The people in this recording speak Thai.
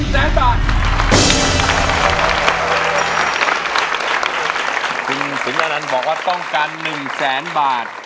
สิ่งเหมือนอนันต์บอกว่าต้องการ๑แสนบาท